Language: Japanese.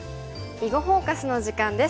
「囲碁フォーカス」の時間です。